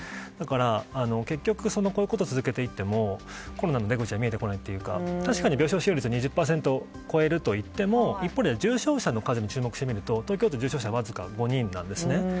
だから結局こういうことを続けていってもコロナの出口は見えてこないというか確かに病床使用率が２０％超えるといっても一方で重症者の数に注目してみると東京都の重症者はわずか５人なんですね。